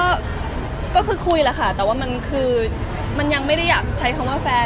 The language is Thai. ก็คือคุยแหละค่ะแต่ว่ามันคือมันยังไม่ได้อยากใช้คำว่าแฟน